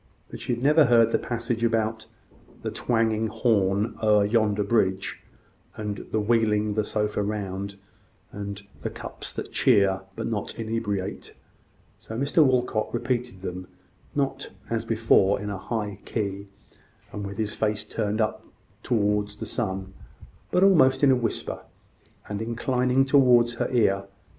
But she had never heard the passage about "the twanging horn o'er yonder bridge," and "the wheeling the sofa round," and "the cups that cheer but not inebriate;" so Mr Walcot repeated them, not, as before, in a high key, and with his face turned up towards the sky, but almost in a whisper, and inclining towards her ear.